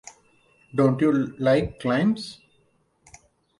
Don't you like limes?